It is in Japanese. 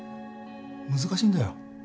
難しいんだよ。